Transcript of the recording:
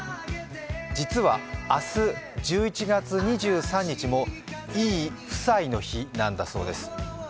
実は明日、１１月２３日もいい夫妻の日なんだそうです。